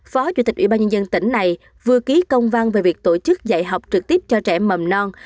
phó chủ tịch ủy ban nhân dân tỉnh này vừa ký công văn về việc tổ chức dạy học trực tiếp cho trẻ mầm non